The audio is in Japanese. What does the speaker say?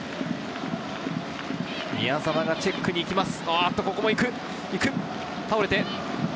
宮澤がチェックに行きます。